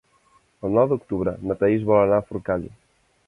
El nou d'octubre na Thaís vol anar a Forcall.